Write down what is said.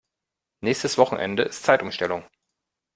Nächstes Wochenende ist Zeitumstellung.